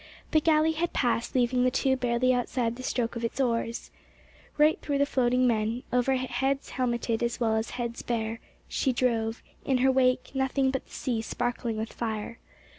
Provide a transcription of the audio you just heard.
The galley had passed, leaving the two barely outside the stroke of its oars. Right through the floating men, over heads helmeted as well as heads bare, she drove, in her wake nothing but the sea sparkling with fire.